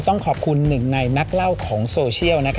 ต้องขอบคุณหนึ่งในนักเล่าของโซเชียล